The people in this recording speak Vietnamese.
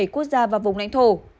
quốc gia và vùng lãnh thổ